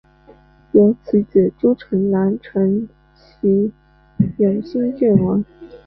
由其子朱诚澜承袭永兴郡王。